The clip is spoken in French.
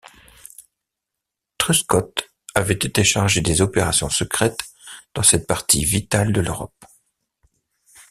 Truscott avait été chargé des opérations secrètes dans cette partie vitale de l'Europe.